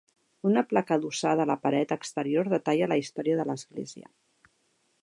Una placa adossada a la paret exterior detalla la història de l'església.